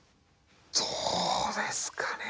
どうですかね